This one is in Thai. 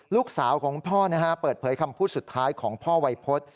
ลูกสาวของพ่อเปิดเผยคำพูดสุดท้ายของพ่อวัยพฤษ